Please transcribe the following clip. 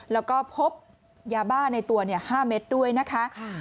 และพบยาบ้าในตัว๕เมตรด้วยนะคะ